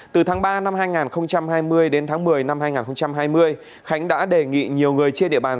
từ tháng ba năm hai nghìn hai mươi đến tháng một mươi năm hai nghìn hai mươi khánh đã đề nghị nhiều người trên địa bàn